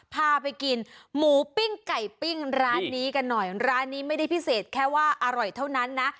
พาไปกินหมูปิ้งไก่ปิ้งร้านนี้กันหน่อยร้านนี้ไม่ได้พิเศษแค่ว่าอร่อยเท่านั้นนะ